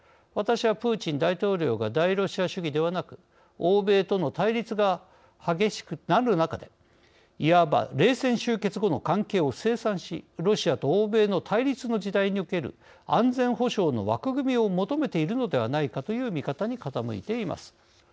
私はプーチン大統領が大ロシア主義ではなく欧米との対立が激しくなるなかでいわば冷戦終結後の関係を清算しロシアと欧米の対立の時代における安全保障の枠組みを求めているのではないかという見方に傾いています。